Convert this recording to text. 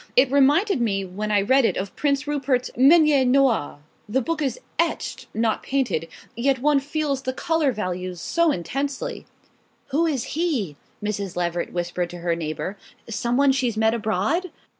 It reminded me when I read it of Prince Rupert's manière noire...the book is etched, not painted, yet one feels the colour values so intensely...." "Who is he?" Mrs. Leveret whispered to her neighbour. "Some one she's met abroad?"